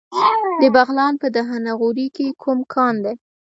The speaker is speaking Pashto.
د بغلان په دهنه غوري کې کوم کان دی؟